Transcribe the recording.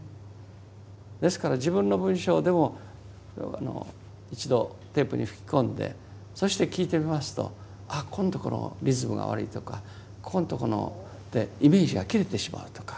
ですから自分の文章でも一度テープに吹き込んでそして聞いてみますとあここのところリズムが悪いとかここのところでイメージが切れてしまうとか。